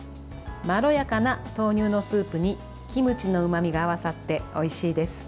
まろやかな豆乳のスープにキムチのうまみが合わさっておいしいです。